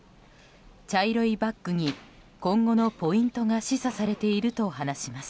茶色いバッグに今後のポイントが示唆されていると話します。